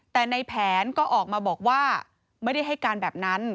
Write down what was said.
แต่ในแผนก็ออกมาบอกว่าไม่ได้ให้การแบบนั้น